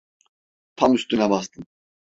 Tam üstüne bastın…